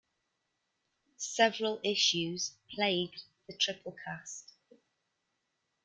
Several issues plagued the Triplecast.